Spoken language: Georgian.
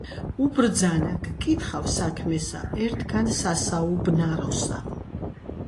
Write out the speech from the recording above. უბრძანა: "გკითხავ საქმესა, ერთგან სასაუბნაროსა: